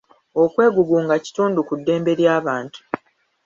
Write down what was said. okwegugunga kitundu ku ddembe ly'abantu.